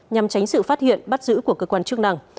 nhằm tránh sự phát hiện bắt giữ của cơ quan chức năng